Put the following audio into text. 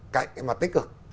cạnh cái mặt tích cực